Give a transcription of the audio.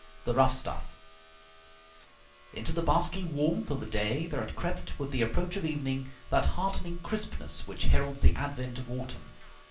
9 The Rough Stuff Into the basking warmth of the day there had crept, with the approach of evening, that heartening crispness which heralds the advent of autumn.